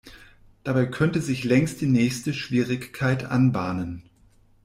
Dabei könnte sich längst die nächste Schwierigkeit anbahnen.